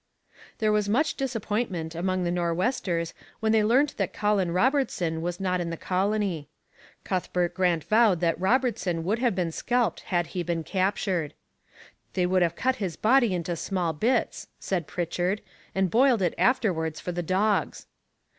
There was much disappointment among the Nor'westers when they learned that Colin Robertson was not in the colony. Cuthbert Grant vowed that Robertson would have been scalped had he been captured. 'They would have cut his body into small bits,' said Pritchard, 'and boiled it afterwards for the dogs.'